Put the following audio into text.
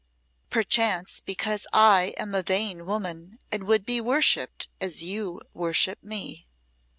"Perchance because I am a vain woman and would be worshipped as you worship me."